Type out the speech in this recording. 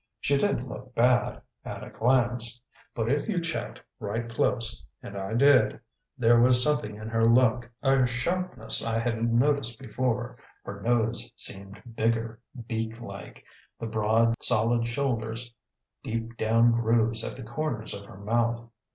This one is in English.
She didn't look bad at a glance. But if you checked right close, and I did, there was something in her look a sharpness I hadn't noticed before; her nose seemed bigger, beak like; the broad, solid shoulders; deep down grooves at the corners of her mouth.